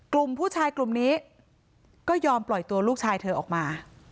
กลุ่มผู้ชายกลุ่มนี้ก็ยอมปล่อยตัวลูกชายเธอออกมา